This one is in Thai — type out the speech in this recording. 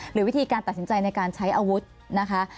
หรือวิธีการตัดสินใจในการใช้อาวุธนะคะ